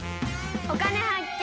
「お金発見」。